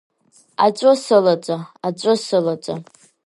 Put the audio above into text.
Аҵәы сылаҵа, аҵәы сылаҵа…